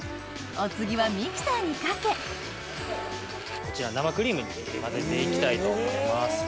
お次はミキサーにかけこちら生クリームに混ぜていきたいと思います。